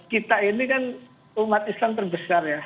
kita ini kan umat islam terbesar ya